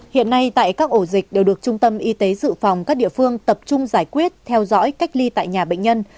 hiện nay tại các ổ dịch đều được trung tâm y tế dự phòng các địa phương tập trung giải quyết theo dõi cách ly tại nhà bệnh nhân